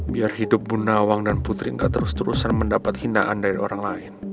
biar hidup bu nawang dan putri enggak terus terusan mendapat hinaan dari orang lain